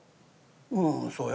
「うんそうや」。